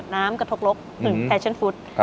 น้ำกระทกลกคือแทชั่นฟู้ด